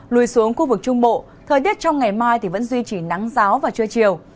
lùi xuống khu vực trung bộ thời tiết trong ngày mai vẫn duy trì nắng ráo và trưa chiều